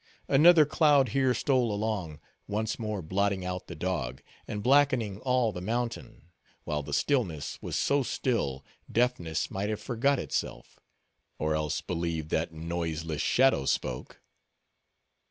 Another cloud here stole along, once more blotting out the dog, and blackening all the mountain; while the stillness was so still, deafness might have forgot itself, or else believed that noiseless shadow spoke.